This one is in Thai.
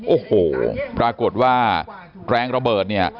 โอ้โหปรากฏว่าแรงระเบิดเนี่ย